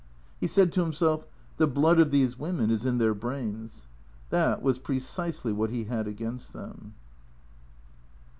He said to himself, " The blood of these women is in their brains." That was precisely what he had against them.